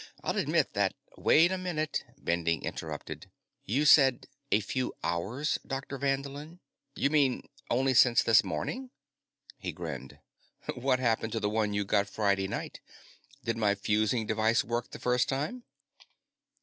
I'll admit that " "Wait a minute," Bending interrupted. "You said 'a few hours', Dr. Vanderlin. You mean only since this morning?" He grinned. "What happened to the one you got Friday night? Did my fusing device work the first time?"